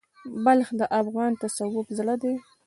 بلخ د افغان تصوف زړه دی.